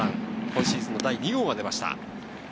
今シーズン第２号が出ました。